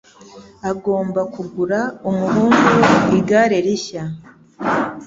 Agomba kugura umuhungu we igare rishya.